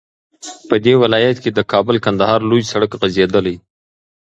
په دې ولايت كې د كابل- كندهار لوى سړك غځېدلى